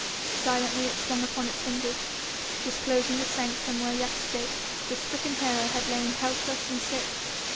Silently it swung upon its hinges, disclosing the sanctum where yesterday the stricken hero had lain helpless and sick.